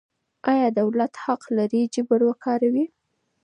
آیا دولت حق لري جبر وکاروي؟